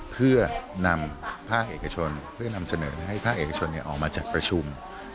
เพื่อนำเฉินให้พระเอกชนออกมาจัดประชุม